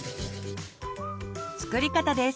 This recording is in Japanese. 作り方です。